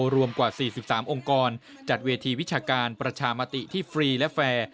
รวมกว่า๔๓องค์กรจัดเวทีวิชาการประชามติที่ฟรีและแฟร์